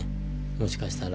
もしかしたら。